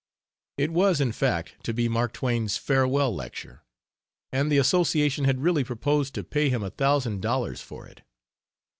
It was, in fact, to be Mark Twain's "farewell lecture," and the association had really proposed to pay him a thousand dollars for it.